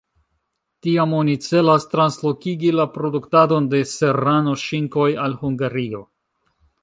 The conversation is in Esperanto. Tiam oni celas translokigi la produktadon de serrano-ŝinkoj al Hungario.